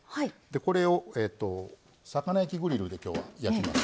これを魚焼きグリルできょうは焼きます。